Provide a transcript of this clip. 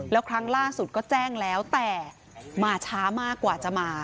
แล้วครั้งล่าสุดก็แจ้งแล้วแต่มาช้ามากกว่าจะมา